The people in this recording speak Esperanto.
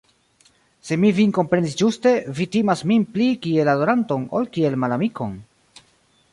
Se mi vin komprenis ĝuste, vi timas min pli kiel adoranton, ol kiel malamikon.